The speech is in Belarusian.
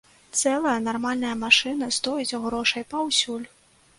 Цэлая, нармальная машына стоіць грошай паўсюль!